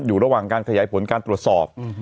อยู่ระหว่างการขยายผลการตรวจสอบ